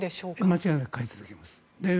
間違いなく買い続けます。